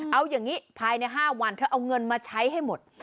เอาอย่างนี้ภายใน๕วันเธอเอาเงินมาใช้ให้หมด